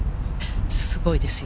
すごいですよ。